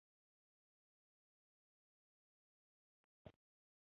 当时何无忌亦推荐了刘穆之给刘裕作为主簿。